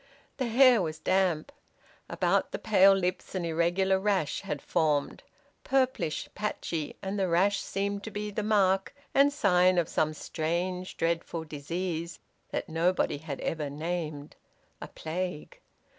The hair was damp. About the pale lips an irregular rash had formed, purplish, patchy, and the rash seemed to be the mark and sign of some strange dreadful disease that nobody had ever named: a plague.